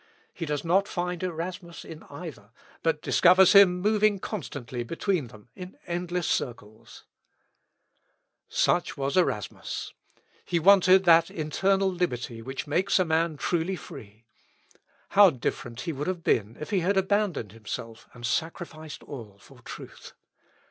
He does not find Erasmus in either, but discovers him moving constantly between them in endless circles. Erasm. Ep. 274. Such was Erasmus. He wanted that internal liberty which makes a man truly free. How different he would have been if he had abandoned himself, and sacrificed all for truth!